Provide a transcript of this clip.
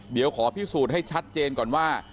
เดี๋ยวขอพิสูจน์ให้ชัดเจนก่อนว่า